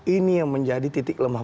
ini yang menjadi titik lemah